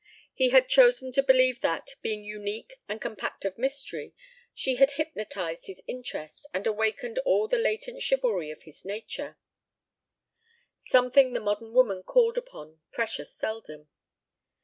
He had chosen to believe that, being unique and compact of mystery, she had hypnotized his interest and awakened all the latent chivalry of his nature something the modern woman called upon precious seldom.